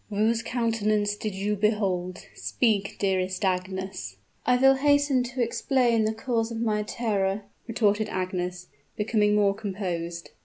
Whose countenance did you behold? Speak, dearest Agnes!" "I will hasten to explain the cause of my terror," retorted Agnes, becoming more composed.